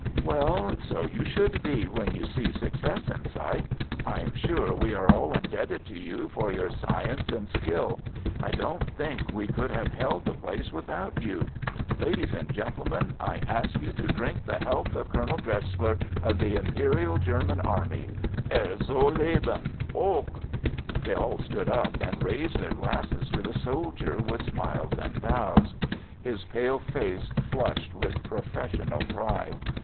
"Well, so you should be when you see success in sight. I am sure we are all indebted to you for your science and skill. I don't think we could have held the place without you. Ladies and gentlemen, I ask you to drink the health of Colonel Dresler, of the Imperial German army. Er soll leben—hoch!" They all stood up and raised their glasses to the soldier, with smiles and bows. His pale face flushed with professional pride.